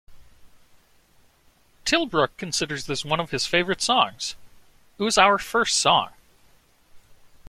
Tilbrook considers this one of his favourite songs: It was our first song.